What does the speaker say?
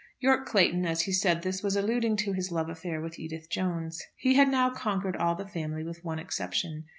Yorke Clayton, as he said this, was alluding to his love affair with Edith Jones. He had now conquered all the family with one exception.